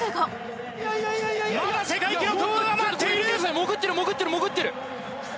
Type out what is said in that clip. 潜ってる潜ってる潜ってる！